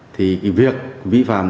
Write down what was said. thì việc vi phạm